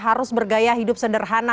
harus bergaya hidup sederhana